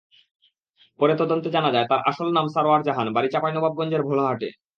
পরে তদন্তে জানা যায়, তাঁর আসল নাম সারোয়ার জাহান, বাড়ি চাঁপাইনবাবগঞ্জের ভোলাহাটে।